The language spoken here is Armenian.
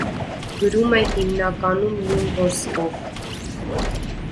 Գրում է հիմնականում նյունորսկով։